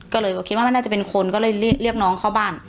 ก็เลยก็คิดว่ามันน่าจะเป็นคนก็เลยเรียกน้องเข้าบ้าน